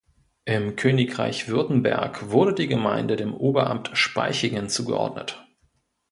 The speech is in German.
Im Königreich Württemberg wurde die Gemeinde dem Oberamt Spaichingen zugeordnet.